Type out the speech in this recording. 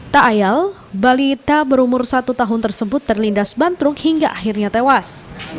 tak ayal balita berumur satu tahun tersebut terlindas bantruk hingga akhirnya tewas